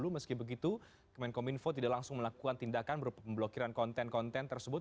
meski begitu kemenkom info tidak langsung melakukan tindakan berpemblokiran konten konten tersebut